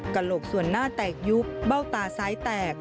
กระโหลกส่วนหน้าแตกยุบเบ้าตาซ้ายแตก